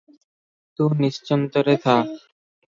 ତୁ ନିଶ୍ଚିନ୍ତରେ ଥା ।"